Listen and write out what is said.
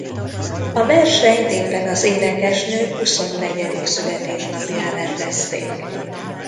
A versenyt éppen az énekesnő huszonnegyedik születésnapján rendezték.